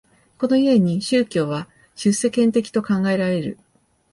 この故に宗教は出世間的と考えられる。